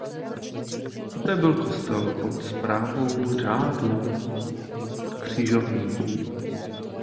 Poté byl kostel pod správou řádu křižovníků.